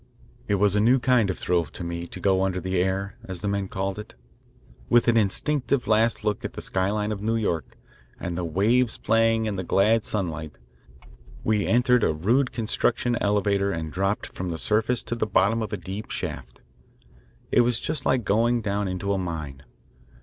It was a new kind of thrill to me to go under the "air," as the men called it. With an instinctive last look at the skyline of New York and the waves playing in the glad sunlight, we entered a rude construction elevator and dropped from the surface to the bottom of a deep shaft. It was like going down into a mine.